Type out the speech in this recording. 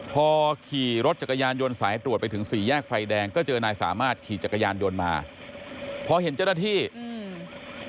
พอขี่รถจักรยานยนต์สายตรวจไปถึงสี่แยกไฟแดงก็เจอนายสามารถขี่จักรยานยนต์มาพอเห็นเจ้าหน้าที่อืม